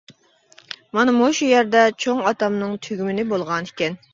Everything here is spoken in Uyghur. مانا مۇشۇ يەردە چوڭ ئاتامنىڭ تۈگمىنى بولغانىكەن.